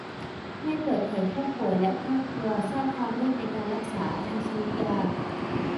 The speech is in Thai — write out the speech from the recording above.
ไม่เปิดเผย ผู้ป่วย และ ครอบครัว ทราบทางเลือกในการรักษา ทั้งชนิดยา